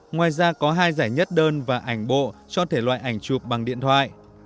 ngoài ra có hai giải nhất đơn và ảnh bộ cho thể loại ảnh chụp bằng điện thoại